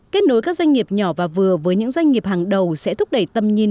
kết nối các doanh nghiệp nhỏ và vừa với những doanh nghiệp hàng đầu sẽ thúc đẩy tầm nhìn